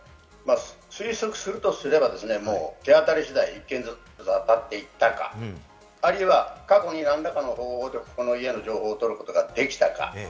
推測するとすれば、手当たり次第だったか、あるいは過去に何らかの家の情報を取ることができたか。